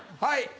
はい。